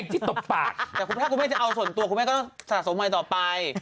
ที่ตบปากแต่คุณพ่อคุณแม่จะเอาส่วนตัวคุณแม่ก็ต้องสะสมใหม่ต่อไป